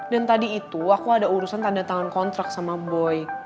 dan tadi itu aku ada urusan tanda tangan kontrak sama boy